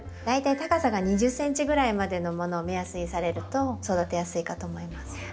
大体高さが２０ｃｍぐらいまでのものを目安にされると育てやすいかと思います。